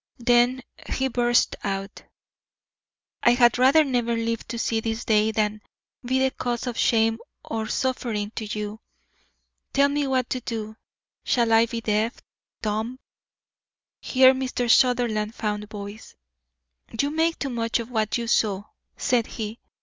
Then he burst out: "I had rather never lived to see this day than be the cause of shame or suffering to you. Tell me what to do. Shall I be deaf, dumb " Here Mr. Sutherland found voice. "You make too much of what you saw," said he.